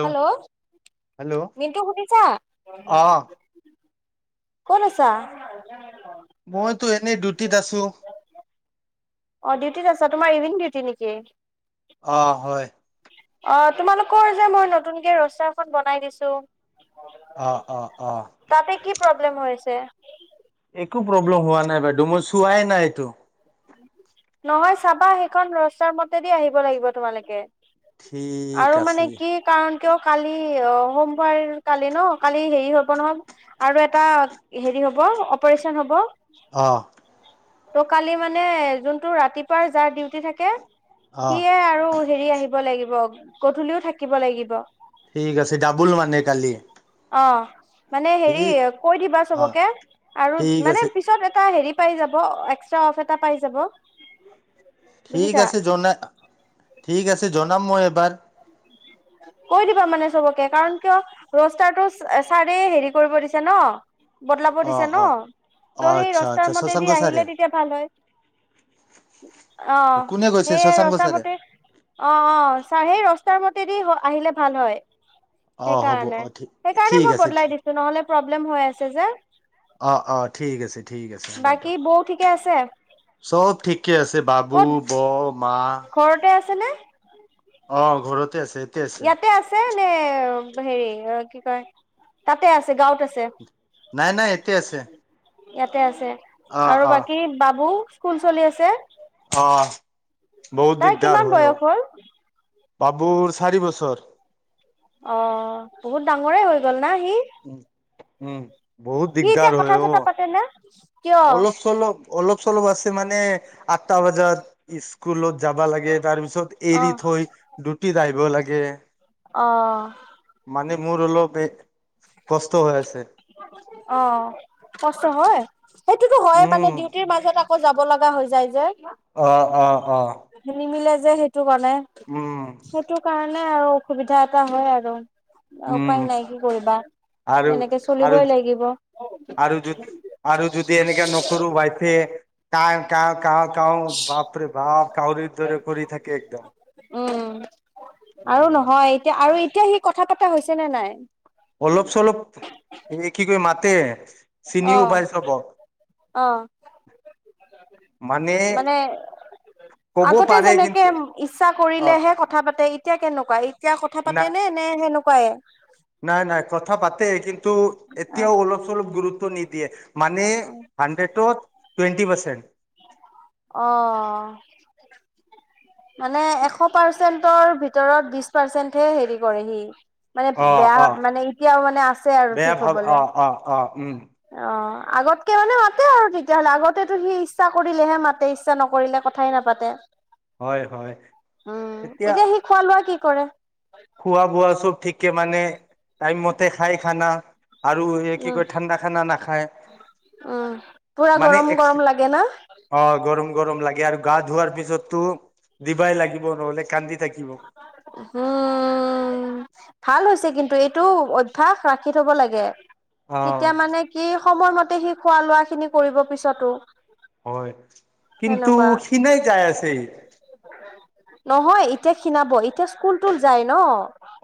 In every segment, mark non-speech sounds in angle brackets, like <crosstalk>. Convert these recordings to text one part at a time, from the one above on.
Hello, hello Mintu শুনিছা? অ ক'ত আছা? মইতো এনেই ডিউটিত আছো। অহ', ডিউটিত আছা। তোমাৰ ইভিনিং ডিউটি নেকি? অহ', হয়। অহ', তোমালোকৰ যে মই নতুনকে ৰচাখন বনাই দিছো। অহ', -অহ', -অহ', তাতে কি প্ৰব্লেম হৈছে। হোৱাই নাইটো। নহয় চাবা, সেইখন ৰচাৰ মতেদি আহিব লাগিব তোমালোকে। ঠিক আৰু আছে মানে কি, কাৰণ কিয় কালি অ সোমবাৰ কালি ন, কালি হেৰি হ'ব নহয় আৰু এটা হেৰি হ'ব অপাৰেচন হ'ব। অ' তো কালি মানে যোনটো ৰাতিপুৱা যাৰ ডিউটি থাকে অ সিয়ে আৰু হেৰি আহিব লাগিব। গধূলিও থাকিব লাগিব, ঠিক আছে, ডাবুল মানে কালি অ' মানে হেৰি ঠিক কৈ দিবা অ চবকে, আৰু ঠিক মানে আছে পিছত এটা হেৰি কেই যাব, এস্ত্ৰা আছে। এটা পাই যাব। ঠিক বুজিছা আছে, জনা ঠিক আছে। জনাম মই এবাৰ। কৈ দিবা মানে চবকে কাৰণ, কিয়? ৰষ্টাৰটো ছাৰে হেৰি কৰিব দিছে ন? বদলাব অ দিছে ন? অ অ ত সেই আচ্ছা ৰষ্টাৰ আচ্ছা মতেদি শশাংক আহিলে ছাৰে তেতিয়া ভাল হয়। অ কোনে গৈছে সেই শশাংক ৰসা ছাৰে পটি অ অ চা সেই ৰ তাৰ মতেদি আহিলে ভাল হয়। অ হ'ব সেইকাৰণে অ ঠিক সেইকাৰণে ঠিক মই আছে বদলাই ঠিক দিছোঁ নহ'লে প্ৰব প্ৰব্লেম হৈ আছে যে অ অ ঠিক আছে ঠিক আছে বাকী বাইদেউ। বৌ ঠিকে আছে চব ঠিকে আছে বাবু, ক'ত বৌ, মা ঘৰতে আছে। আছে নে? অ ঘৰতে আছে। ইয়াতে আছে নে হেৰি অ কি কয়? তাতে আছে, গাঁৱত আছে। নাই নাই ইয়াতে আছে। ইয়াতে আছে। অ আৰু অ বাকী বাবু স্কুল চলি আছে। অ বহুত তাৰ দিকদাৰ কিমান হয় অ। বয়স হ'ল বাবুৰ চাৰি বছৰ। অ বহুত ডাঙৰে হৈ গ'ল না সি উম উম সি এতিয়া কথা চথা পাতে নে? অলপ-চলপ অলপ-চলপ আছে মানে আঠটা বজাত স্ কুলত যাব লাগে, তাৰ পিছত অ এৰি থৈ ডিউ টিত আহিব লাগে। মানে মোৰ অলপ এই কষ্ট হৈ আছে। অঁ কষ্ট হয় সেইটোতো হয় মানে উম ডিউটিৰ মাজত আকৌ যাব লগা হৈ যায় যে অঁ অঁ অঁ নিমিলে যে সে ইটো কাৰণে। সেইটো কাৰণে মানে আৰু অসুবিধা এটা হয় আৰু উম উপায় নাই কি কৰিবা আৰু এনেকে আৰু চলিবই লাগিব আৰু যদি আৰু যদি এনেকৈ নকৰো বাইছে তাই কা ক কাহ বাপৰে বাপ কাউৰীক দৰে কৰি থাকে একদম উম আৰু উম নহয় এতিয়া আৰু এতিয়া সি কথা পতা হৈছে নে নাই অলপ চলপ কি ক মাত তে অঁ অঁ মানে ক'ব আগতে পাৰে যেনেকৈ কিন্তু ইচ্ছা অ কৰিলেহে কথা পাতে এতিয়া কেনেকুৱা পাই এতিয়া কথা না পাতে নে নে সেনেকা কয় নাই নাই কথা পাতে কিন্তু এতিয়াও অলপ চলপ গুৰুত্ব নি দিয়ে মানে হাণ্ড্ৰেড টুৱেণ্টি পাৰ্চেণ্ট অ মানে এশ পাৰ্চেন্টৰ ভিতৰত বিশ পাৰ্চেন্টহে হেৰি কৰে সি মানে অ অ বেয়া মানে এতিয়াও মানে আছে আৰু বেয়া ঠিক ভাব অ হবলৈ অ অ উম অঁ আগতকৈে মানে মাতে আৰু তেতিয়াহলে আগতেতো সি ইচ্ছা কৰিলেহে মাতে ইচ্ছা নকৰিলে কথাই নাপাতে হয় হয় উম এতিয়া সি খোৱা লোৱা কি কৰে খোৱা বোৱা চব ঠিকে মানে টাইম ম। খাই খানা। আৰু এই কি উম কয় ঠাণ্ডা খানা নাখায় উম পুৰা মানে গৰম এক্স গৰম লাগে না। অ গৰম গৰম লাগে আৰু গা ধোৱাৰ পিছততো। দিবাই লাগিব নহ'লে কান্দি থাকিব। উ ভাল হৈছে কিন্তু এইটো অভ্যয়াস ৰাখি থব লাগে। অ তেতিয়া মানে কি। সময়মতে সি খোৱা লোৱা খিনি কৰিব পিছতো। হয় কিন্তু সেনেকুৱা সিনাই যাই আছে। নহয় এতিয়া খিনাব এতিয়া স্কুল তুল যায় ন।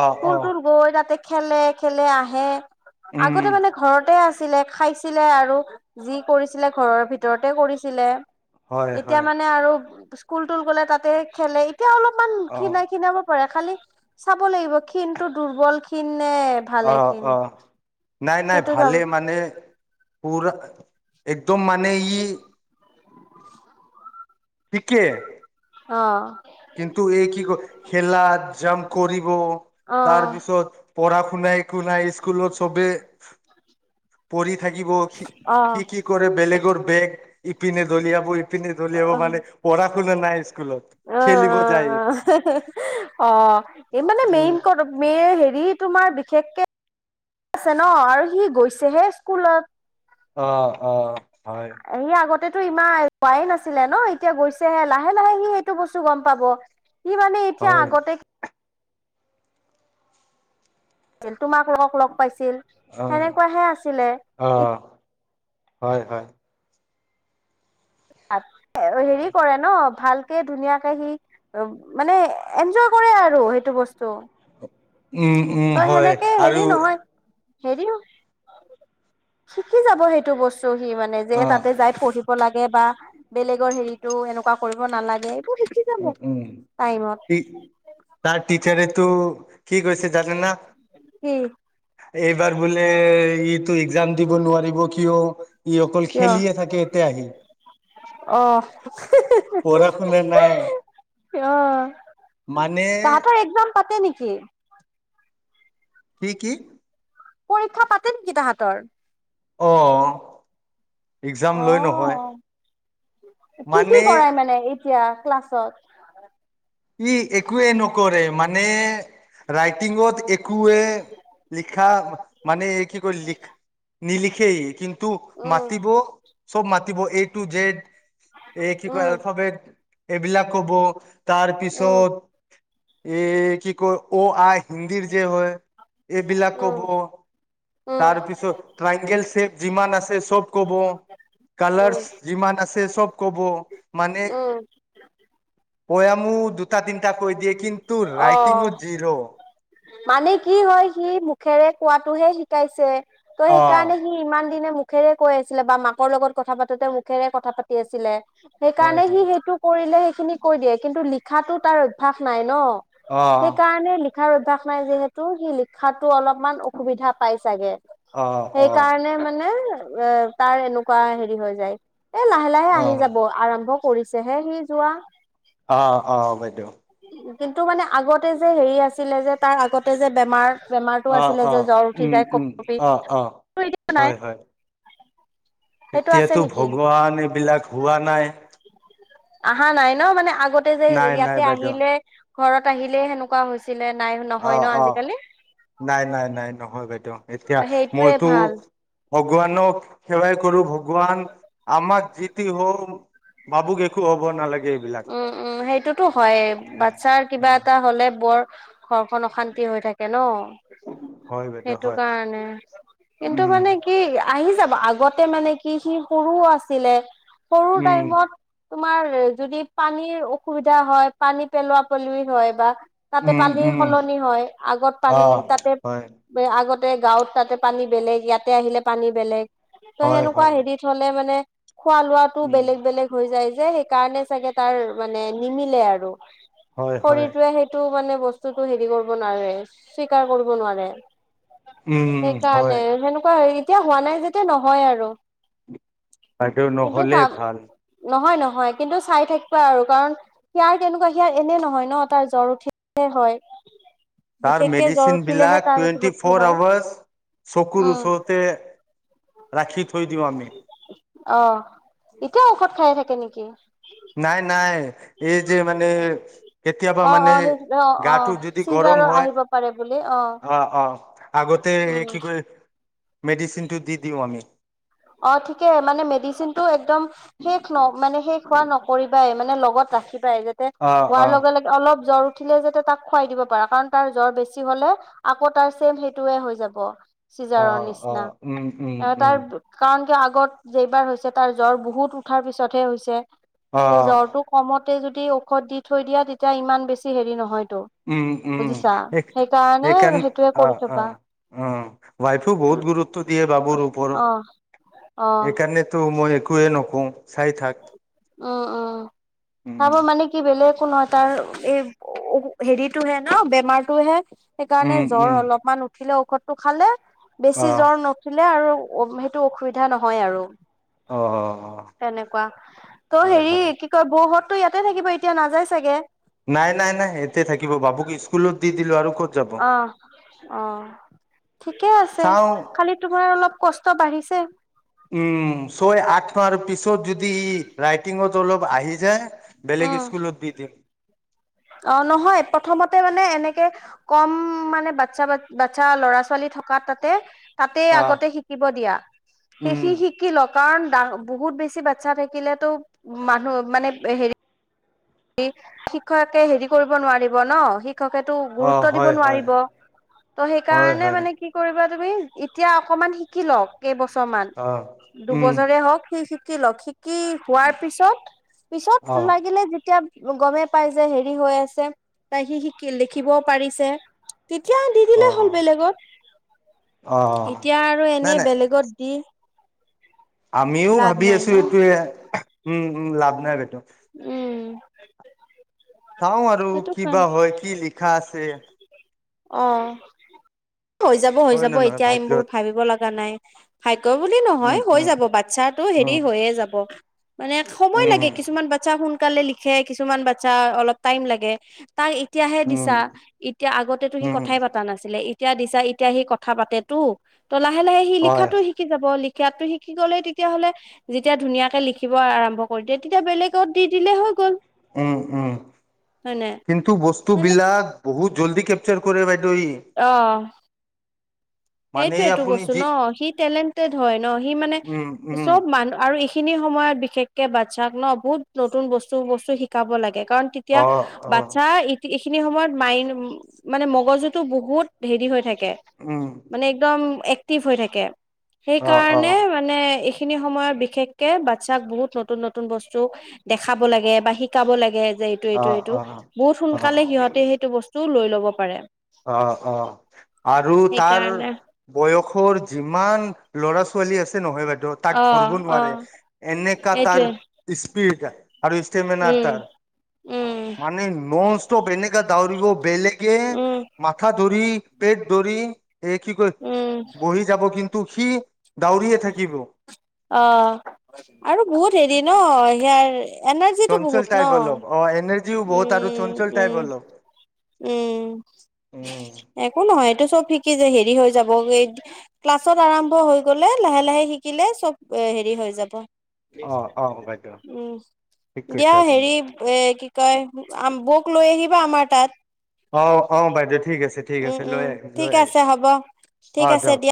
অ ফুল অ তোৰ গৈ তাতে। খেলে খেলে আহে। আগতে উম মানে ঘৰতে আছে। ছিলে খাইছিলে আৰু যি কৰিছিলে ঘৰৰ ভিতৰতে কৰিছিলে। হয় এতিয়া হয় মানে আৰু। কুল তুল গ'লে তাতে খেলে। এতিয়া অলপমান অ কিনাই কিনাব পাৰে। খালি চাব লাগিব ক্ষীণতটো দুৰ্বল ক্ষীণ। নে ভালে অ ক্ষীণ অ নাই নাই সেইটো চাব ভালে মানে পৰা। একদম মানে ই। <unintelligible> শিকে। অহঁ। কিন্তু এই কি ক হলা জাম্প কৰিব। অ তাৰ পিছত। পঢ়া শুনাাই একো নাই স্কুলত চবে পঢ়ি। থাকিব অ কি কি কৰে বেলেগৰ বেগ। ইপিনে দলিয়াবোৰ। পি ধল আহব অ মানে পঢ়া শুনা নাই স্কুলত। অ, খেলিব যায় অ, অ, অ, এই মানে উম মেইন কত ম হেৰি। তোমাৰ বিশেষকে আছে ন আৰু সি গৈছেহে স্কুলত। অহ, অহ। এ আগততে। ততেতটো ইমান হোৱাই নাছিলে ন এতিয়া গৈছেহে লাহে লাহে সি সেইটো বস্তু গম পাব। কি মানে এতিয়া হয় আগতে। তোমাক লক লগ পাইছিল। অ সেনেকুৱাহে আছিলে অ ই। হয় হয়। <unintelligible> হেৰি কৰে ন ভালকে ধুনীয়াকে সি মানে এনজয় কৰে আৰু সেইটো বস্তু। উম্ উম হয় আৰু। হেৰিও, শিকি যাব সেইটো বস্তু। হি মানে যে অ তাতে যাই পঢ়ি। লাগে বা বেলেগৰ হেৰিতো এনেকুৱা কৰিব নালাগে। শিকি যাব উ উম টাইমত সি তাক টিচাৰেটো। কি কৈছে জানে না? কি এইবাৰ বোলে। ই এইটো এক্সাম। দিব নোৱাৰিব কিয়? ই অকল কিয় খেলিয়ে থাকে এতি আহি। অ পঢ়া শুনা নাই। মানে <inaudible> তাহাঁতৰ এক্সাম। পাতে নেকি? কি কি? পৰীক্ষা পাতে নেকি তাহাঁতৰ? অহ। অ, কি কি মানে কৰাই মানে এতিয়া? ক্লাছত? ই একো এই নকৰে মানে। ৰাইটিংত একোএ লিখা মানে। কি কৰি লিখ নিলিখ। খেই কিন্। টো উম, মাতিব চব মা। তিব এ টু জেড। এই কি কয়, উম, এলফাবেট। এইবিলাক কব। উম, তাৰপিছত। এ কি কয় অ আহ। হিন্দিৰ যে হয়, এইবিলাক কব, উম, উম, তাৰপিছত ট্ৰাইংগেল চ্বেপ যিমান আছে চব কব, উম, কালাৰছ যিমান আছে চব কব, মানে। উম, পয়ামো দুটা তিনিটা। কৈ দিয়ে, কিন্তু ৰাইটিংত অ', জিৰো। মানে কি হয় সি মুখেৰে কোৱাটোহে শিকাইছে। ত' অ সেইকাৰণে সি ইমান দিনে মুঠ মুখেৰে কৈ আছিলে বা মাকৰ লগত কথা পাতোতে মুখেৰে কথা পাতি আছিলে হয় সেইকাৰণে সি হয় সেইটো কৰিলে খিনি কৈ দিয়ে কিন্তু লিখাতো তাৰ অভ্য়াস নাই ন অ সেইকাৰণে লিখাৰধ নাই যিহেতু সি লিখাতো অলপমান অসুবিধা পাই চাগে অ সেইকাৰণে মানে এ তাৰ এনেকুৱা হেৰি হৈ যায় এ লাহে লাহে আহি যাব আৰম্ভক কৰিছে হে সি যোৱা অ অ বদ কিন্তু মানে আগতে যে হেৰি আছিলে যে তাৰ আগতে যে বেমাৰ বেমাৰতটো অ আছিলে অ যে জ্বৰ উঠি উম যায় কপ উম কপি অ অ এতিয়া নাই হয় হয় সেইটো আছে এতিয়াতো নেকি? ভগৱান এইবিলাক হোৱা নাই অহা নাই ন মানে আগ আগতে যে নাই নাই ইয়াতে বাইদেউ আহিলে ঘৰত আহিলে সেনেকুৱা হৈছে অ অ নাই নাই নাই নহয় বাইদেউ এতিয়া সেইটোয়ে মইতো ভাল। ভগৱানক সেৱাই কৰো ভগৱান আমাক যিটি হওওঁ ভাবুক একো হ'ব নালাগে এইবিলাক উম উম সেইটোতো হয় উ বাচ্ছাৰ উ কিবা এটা হলে বৰ ঘৰখন অশান্তি হৈ থাকে ন হয় বাইদেউ হয় ানে কিন্তু উম মানে কি আহি যাব আগতে মানে কি সি সৰুও আছিলে সৰু উম টাইমত তোমাৰ যদি পানীৰ অসুবিধা হয় পানী পেলোৱা পল হয় বা তাতে উম পানী উম সলনি হয় আগত অ পানী তাতে হয় আগত তাতে গাঁৱত তাতে পানী বেলেগ ইয়াতে আহিলে পানী বেলেগ ত হয় সেনেকুৱা হয় হেৰিত হলে মানে খোৱা লোৱাতো উম বেলেগ বেলেগ হৈ যায় যে সেইকাৰণে চাগে তাৰ মানে নিমিলে আৰু হয় হয় শৰীৰটোৱে সেইটো মানে বস্তুতটো হেৰি কৰিব নোৱাৰে স্বীকাৰ কৰিব নোৱাৰে উম হয় সেইকাৰণে সেনেকুৱা হে এতিয়া হোৱা নাই যোয়া নহয় আৰু। বদে নহলে ভাল। হয় কিন্তু চাই থাকিবা আৰু কাৰণ সয়াৰ তেনেকুৱা সিয়াৰ এনে নহয় ন, তাৰ জ্বৰ উঠিলে হয়। তাৰ বিশেষকে জ্বৰ মেডিচিন উঠিলেহে বিলাক তাৰ এইটো টুৱেণ্টি বস্তু ফৰ হয় আৱ চকু উম ৰুষতে ৰাখি থৈ দি অ' এতিয়া <unintelligible> াত খাই থাকে নেকি? নাই নাই এই যে মানে কেতিয়াবা অ মানে অ সেই অ অ গাটো যদি গৰম চিজাৰৰ হয়, আহিব পাৰে বুলি অ অঁ-অঁ, আগতে উম কি কয় মেডিচিনটো দি দিওঁ আমি। অ ঠিকে মানে মেডিচিন টো একদম শেষ ন মানে শেষ হোৱা নক কৰিবাই মানে লগত ৰাখিব যাতে অ অ হোৱাৰ লগে লগে অলপ জ্বৰ উঠিলে যাতে তাক খুৱাই দিব পাৰা কাৰণ তাৰ জ্বৰ বেছি হলে আকৌ তাৰ ছেম সেইটোয়ে হৈ যাব। চিজাৰৰ অ-অ, নিচিনা তাৰ উম-উম-উম। কাৰণ কিয় আগত যেইবাৰ হৈছে তাৰ জ্বৰ বহুত উঠাৰ পিছতহে হৈছে। অ ত' জ্বৰটো কমত যদি ঔষধ দি থৈ দিয়া তেতিয়া ইমান বেছি হেৰি নহয়। উম-উম, সেকাৰ সেইটোৱে কৰি অ-অ, থবা উ ৱাইফও বহুত গুৰুত্ব দিয়ে বাবুৰ অ ওপৰত। অ সেইকাৰণে তো মই একোৱেই নকওঁ। চাই থাক। উম চাব মানে কি বেলেগ কোনো এটা এই হেৰিতটোহে ন, বেমাৰটোহে সেইকাৰণে উম জ্বৰ উম অলপমান উঠিলেও ৰতটো খালে অ বেছি জ্বৰ নুঠিলে আৰু অ সেইটো অসুবিধা নহয় আৰু। অঁ-অঁ-অঁ। কোৱা, তৌ হেৰি কি কয় বহুত তো ইয়াতে থাকিব। এতিয়া নাযায় চাগে? নাই নাই নাই এতে থাকিব বাবুক স্কুলত দি দিলো আৰু ক'ত যাব অ অ ঠিকে চাওঁ? ত বাঢ়িছে। উম ছয় আঠ ন পিছ ত যদি ৰাইটিঙত অলপ আহি যায় বেলেগ উম স্কুলত দি দিম। অ নহয় প্ৰথমতে মানে এনেকে কম মানে বাচ্ছা বাচ্ছা লৰা ছোৱালী থকা তাতে তাতেই আহ আগতে শিকিব দিয়া সেই সি উম শিকি লওক। কাৰণ বহুত বেছি বাচ্ছা থাকিলেতো মানুহ মানে হেৰি শ্ষকে <unintelligible> হেৰি কৰিব নোৱাৰিব ন শিক শিক্ষকেতো অ গুৰুত্ব দিব হয় হয় নোৱাৰিব ত' হয় সেইকাৰণে হয় মানে কি কৰিব তুমি এতিয়া অকমান শিকি ল কেইবছৰ মান অ উম দুবছৰে হওক সেই শিকি লওক কি হোৱাৰ পিছত পিছত অ লাগিলে যেতিয়া ম গমে পাই যে হেৰি হৈ আছে তাই সি শি লিখিবও পাৰিছে তেতিয়া দি অ দিলেই হ'ল বেলেগত অ এতিয়া আৰু নাই এনে নাই বেলেগত দি আমিও লাভ ভাবি নাই আছো ন এইটোোৱে উম উম লাভ নাই বেটো উম চাওঁ আৰু সেইটো কাৰণ কিবা হয় কি লিখা আছে আহ হৈ যাব হৈ হয় যাব নে নহয় এতিয়া এইবোৰ ভাগ্যত ভাবিব লগা নাই খ বুলি নহয় উম হৈ যাব উম বাচ্ছাতটো হেৰি উম হৈয়ে যাব মানে সময় লাগে উম কিছুমান বাচ্ছা শুন সকালে লিখে কিছুমান বাচ্ছা অলপ টাইম লাগে তাক এতিয়াহে দিছা উম এতিয়া আগত ত সি উম, কথাই পা নাছিল এতিয়া দিছা এতিয়া সি কথা পাতে তো ত লে লাহে সি হয়। লিখাতটো শিকি যাব ল খাতটো শিকি গলেই তেতিয়াহ'লে যেতিয়া ধুনীয়াকে লিখিব আৰম্ভ কৰি দিয়ে তেতিয়া বেলেগত দি দিলে হৈ গ'ল উম উম হয় নাই কিন্তু বস্তু বিলাক বহুত জল্দি ক কেপচাৰ কৰে ব আহ মানে এইটোয়ে টো আপুনি বস্তু যি ন', সি টেলেণ্ট, টেড হয়। ন ', সি মানে উম, উম, চব মানুহ আৰু, খিনি সময়ত বিশেষকে বাচ্ছাক ন', বহুত নতুন বস্তু -বস্তু শিকাব লাগে। কাৰণ তেতিয়া অ', অ', বাচ্ছা, এইখিনি সময়ত মাইন মানে মগজুতটো বহুত হেৰি হৈ থাকে। কে, উম, মানে একদম, এক্টিভ হৈ থাকে। অ', সেইকাৰণে অ', মানে, - হিখিনি সময়ত বিশেষকে বাচ্ছাক বহুত নতুন- -নতুন বস্তু দেখাব লাগে বা শিকাব লাগে। যে এইটো- অ', এইটো -এইটো। অ', বহুত অ', সোনকালে সিহতে সেইটো বস্তু, তোৰ লৈ ল'ব পাৰে। অহ ', - অহ ', আৰু তাত, আৰ সেইকাৰণে বয়সৰ যিমান, ল'ৰা -ছোৱালী আছে নহয় ব, তাক অ ধৰব অ নোৱাৰে এনেকা তাৰ এইটোৱে স্পীড। আৰু ইষ্টেমেনাৰ উম তাৰ, উম, মানে নন- ষ্টপ এনেকা, দাওৰিব বেলেগ, উম, ' কথা ধৰি, পেট ধৰি, এই কি কয় উম, বহি যাব কিন্তু। সি, দাউৰিয়ে থাকিব অ', আৰু বহুত এদিন, ন', হিয়াৰ এনাৰ্জিটো বহুত নহ ', সিও বহুত আৰু চঞ্চল টাইপ হয় অলপ। উম উম ', একো নহয়। এইটো চব শিকি যে হেৰি হৈ যাব গে, ক্লাছত আৰম্ভ হৈ গলে লাহে- লাহে শিকিলে চব হেৰি হৈ যাব। অ অ বাইদেউ উম ঠিক ', দিয়া কৈছে আপুনি হেৰি এ', কি, কয় বৌক লৈ আহিবা আমাৰ তাত। অ', - অ', বাইদেউ, ঠিক আছে ঠিক আছে উম', - লৈ উম', আহিম লৈ ঠিক আহিম আছে হ'ব, অ ঠিক আছে যাওক দিয়া।